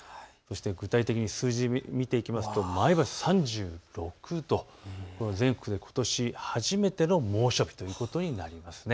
具体的に数字で見ていくと前橋３６度、全国でことし初めての猛暑日ということになります。